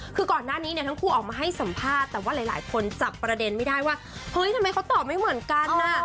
คือก่อนหน้านี้เนี่ยทั้งคู่ออกมาให้สัมภาษณ์แต่ว่าหลายคนจับประเด็นไม่ได้ว่าเฮ้ยทำไมเขาตอบไม่เหมือนกัน